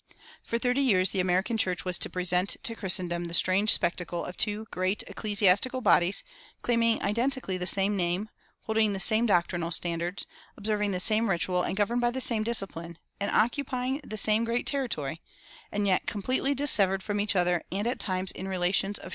For thirty years the American church was to present to Christendom the strange spectacle of two great ecclesiastical bodies claiming identically the same name, holding the same doctrinal standards, observing the same ritual and governed by the same discipline, and occupying the same great territory, and yet completely dissevered from each other and at times in relations of sharp mutual antagonism.